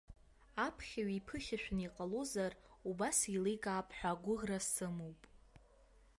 Аԥхьаҩ иԥыхьашәан иҟалозар, убас еиликаап ҳәа агәыӷра сымоуп.